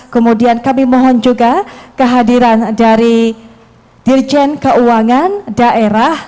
kemudian kami mohon juga kehadiran dari dirjen keuangan daerah